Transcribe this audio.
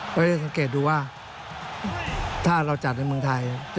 ก็จะสังเกตดูว่าถ้าเราจัดในเมืองไทย